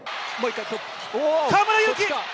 河村勇輝